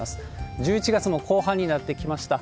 １１月も後半になってきました。